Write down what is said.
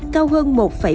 cao hơn một bốn mươi bảy